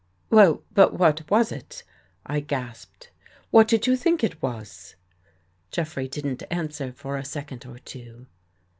"Well, but what was it?" I gasped. "What did you think it was? " Jeffrey didn't answer for a second or two.